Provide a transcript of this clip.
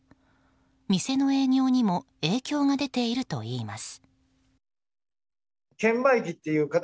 店の営業にも影響が出ているといいます。